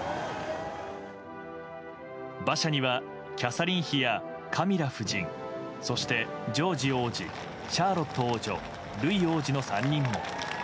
馬車にはキャサリン妃やカミラ夫人そしてジョージ王子シャーロット王女ルイ王子の３人も。